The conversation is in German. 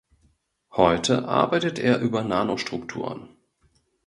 Heute arbeitet er über Nanostrukturen.